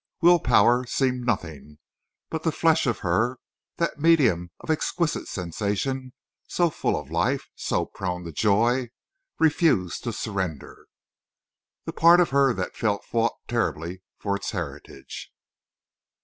Will power seemed nothing, but the flesh of her, that medium of exquisite sensation, so full of life, so prone to joy, refused to surrender. The part of her that felt fought terribly for its heritage.